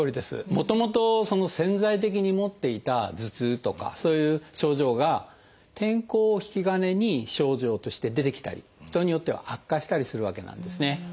もともと潜在的に持っていた頭痛とかそういう症状が天候を引き金に症状として出てきたり人によっては悪化したりするわけなんですね。